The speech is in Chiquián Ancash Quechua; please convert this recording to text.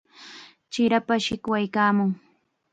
Chirapam shikwaykaamun.